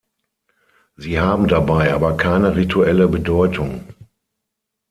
Sie haben dabei aber keine rituelle Bedeutung.